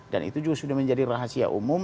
dan itu juga sudah menjadi rahasia umum